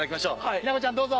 ひな子ちゃんどうぞ。